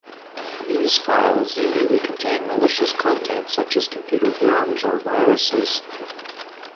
These files usually contain malicious content, such as computer worms or viruses.